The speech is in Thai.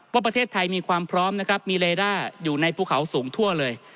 ประเทศไทยมีความพร้อมนะครับมีเลด้าอยู่ในภูเขาสูงทั่วเลย